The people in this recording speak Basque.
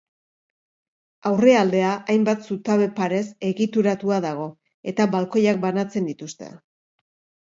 Aurrealdea hainbat zutabe-parez egituratua dago, eta balkoiak banatzen dituzte.